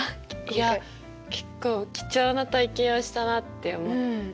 いや結構貴重な体験をしたなって思った。